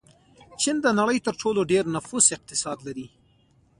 چین د نړۍ تر ټولو ډېر نفوس اقتصاد لري.